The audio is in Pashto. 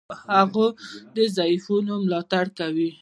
هغه د ضعیفانو ملاتړ کاوه.